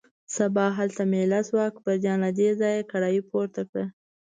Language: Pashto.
سبا هلته مېله شوه، اکبرجان له دې ځایه کړایی پورته کړه.